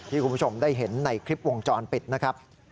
คุณผู้ชมได้เห็นในคลิปวงจรปิดนะครับ